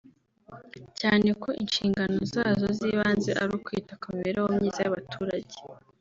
cyane ko inshingano zazo z’ibanze ari ukwita ku mibereho myiza y’abaturage